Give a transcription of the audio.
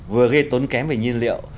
vừa gây tốn kém về nhiên liệu